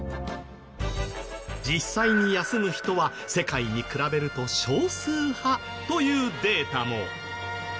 実際に休む人は世界に比べると少数派というデータも。